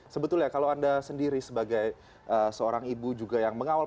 sebetulnya kalau anda sendiri sebagai seorang ibu juga yang mengawal